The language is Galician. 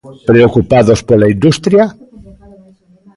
¿Preocupados pola industria?